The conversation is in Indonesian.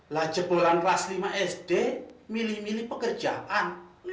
lajep bolan kelas lima sd milih milih pekerjaan